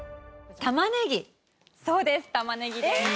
そうです玉ネギです。え！